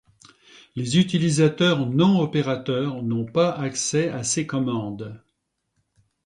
Les utilisateurs non-opérateurs n'ont pas accès à ces commandes.